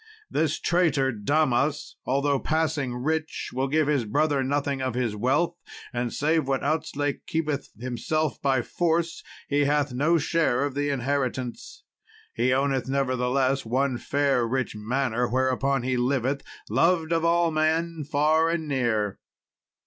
This traitor Damas, although passing rich, will give his brother nothing of his wealth, and save what Outzlake keepeth to himself by force, he hath no share of the inheritance. He owneth, nevertheless, one fair rich manor, whereupon he liveth, loved of all men far and near.